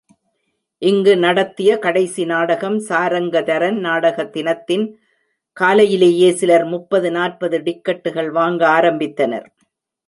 இங்கு நடத்திய கடைசி நாடகம் சாரங்கதரன். நாடக தினத்தின் காலையிலேயே சிலர் முப்பது நாற்பது டிக்கட்டுகள் வாங்க ஆரம்பித்தனர்.